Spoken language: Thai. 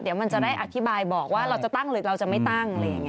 เดี๋ยวมันจะได้อธิบายบอกว่าเราจะตั้งหรือเราจะไม่ตั้ง